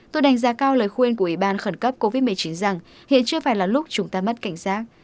tôi đánh giá cao lời khuyên của ủy ban khẩn cấp covid một mươi chín rằng hiện chưa phải là lúc chúng ta mất cảnh giác